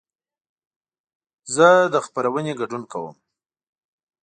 زه د خپرونې ګډون کوم.